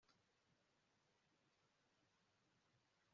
Gusobanura akababaro gakomeye